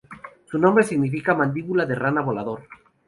Su nombre significa "Mandíbula de rana volador".